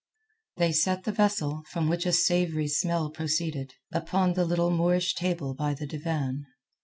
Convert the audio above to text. They set the vessel, from which a savoury smell proceeded, upon the little Moorish table by the divan.